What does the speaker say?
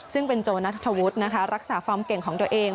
ซึ่งเป็นโจนัทธวุฒินะคะรักษาฟอร์มเก่งของตัวเอง